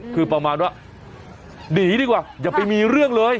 คือประมาณว่าหนีดีกว่าอย่าไปมีเรื่องเลย